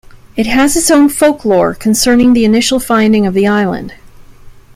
It has its own folklore, concerning the initial finding of the island.